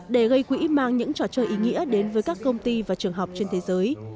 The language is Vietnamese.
để gây quỹ mang những trò chơi ý nghĩa đến với các công ty và trường học trên thế giới